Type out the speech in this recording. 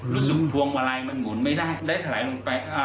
รู้สึกพวงมาลัยมันหมุนไม่ได้และถลายลงไป